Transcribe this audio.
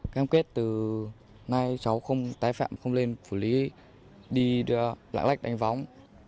cam kết từ nay cháu không tái phạm không lên phủ lý đi lạng lách đánh võng